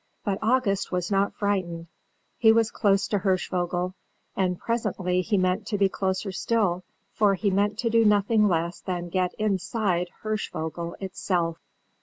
But August was not frightened; he was close to Hirschvogel, and presently he meant to be closer still; for he meant to do nothing less than get inside Hirschvogel itself.